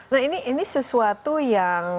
nah ini sesuatu yang